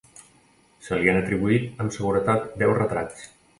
Se li han atribuït amb seguretat deu retrats.